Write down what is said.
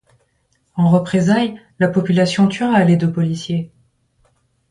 En représailles, la population tuera les deux policiers.